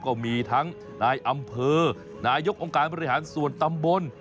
ก็มีทั้งนายอำเภอนายกองค์การบริหารส่วนตำบล